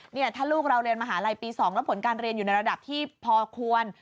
เนี่ยถ้าลูกเราเรียนมหาลัยปี๒แล้วผลการเรียนอยู่ในระดับที่พอควร